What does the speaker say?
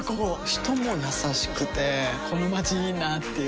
人も優しくてこのまちいいなぁっていう